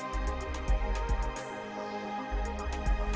exceptions sekastong feel di dalam